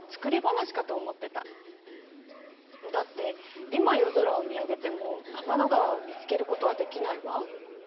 だって今夜空を見上げても天の川を見つけることはできないわ。